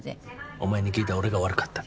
お前に聞いた俺が悪かった。